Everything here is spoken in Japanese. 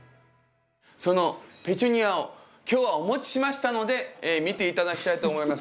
そのペチュニアを今日はお持ちしましたので見て頂きたいと思います。